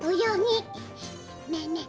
ねえねえ。